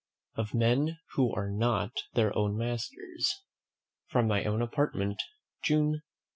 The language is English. OF MEN WHO ARE NOT THEIR OWN MASTERS. From my own Apartment, June 2.